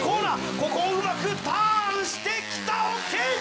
ここをうまくターンしてきたＯＫ！